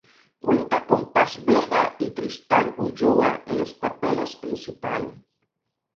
Cuenta con Paz Vega y Tristán Ulloa en los papeles principales.